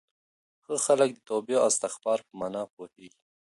ښه خلک د توبې او استغفار په مانا پوهېږي.